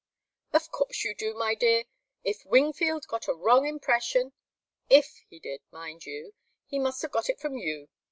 "Of course you do, my dear. If Wingfield got a wrong impression, 'if he did,' mind you, he must have got it from you.